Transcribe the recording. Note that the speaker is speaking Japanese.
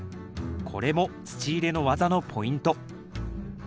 これも土入れの技のポイント。